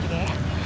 tidak usah ibu